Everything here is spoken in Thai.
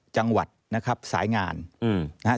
จังหวัดนะครับสายงานนะครับ